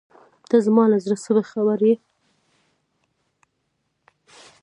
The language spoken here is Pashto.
ته زما له زړۀ څه خبر یې.